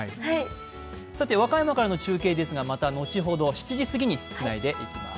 和歌山からの中継ですがまた後ほど７時過ぎに伝えてまいります。